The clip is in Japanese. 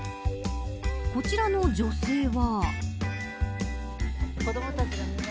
こちらの女性は。